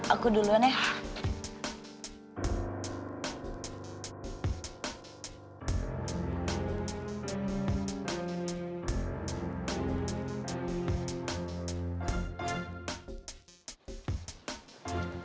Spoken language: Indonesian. aku duluan ya